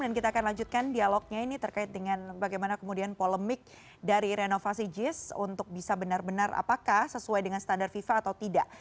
dan kita akan lanjutkan dialognya ini terkait dengan bagaimana kemudian polemik dari renovasi jis untuk bisa benar benar apakah sesuai dengan standar viva atau tidak